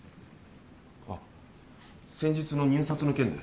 あっ先日の入札の件で。